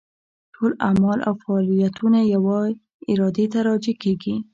ټول اعمال او فاعلیتونه یوې ارادې ته راجع کېږي.